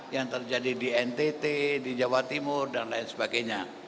yang terjadi di ntt di jawa timur dan lain sebagainya